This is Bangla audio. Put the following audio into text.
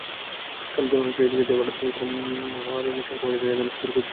কালও যেমন অ্যাডিলেডে ভারত-পাকিস্তানের মহারণে শঙ্খ বাজাতে দেখা গেল সুধীর গৌতমকে।